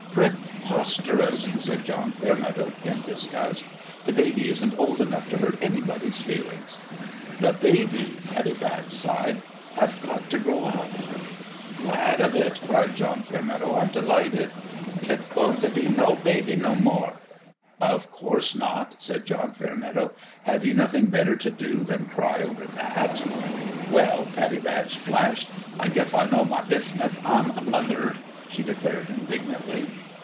" Preposterous !" said John Fairmeadow, in disgust ;" the baby isn't old enough to hurt anybody's feelings." " The baby," Pattie Batch sighed, " hath got t' grow up." " Glad of it 1 " cried John Fairmeadow. " I'm delighted !"" Ithn't goin* t' be no baby no more 1 " 11 Of course not 1 " said John Fairmeadow. ' Have you nothing better to do than cry over that?" 176 A FATHER for The BABY "Well," Pattie Batch flashed, "I gueth I know my bithneth. I'm a mother," she de clared, indignantly.